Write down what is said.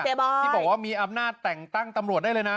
ที่บอกว่ามีอำนาจแต่งตั้งตำรวจได้เลยนะ